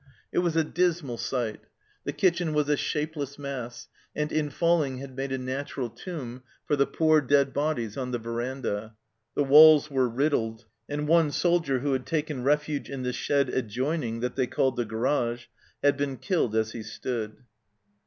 It was a dismal sight. The kitchen was a shapeless mass, and in falling had made a natural tomb for the poor dead bodies on the verandah. The walls were riddled, and one soldier who had taken refuge in the shed adjoining, that they called the garage, had been killed as he stood.